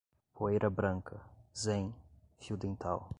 poeira branca, zen, fio dental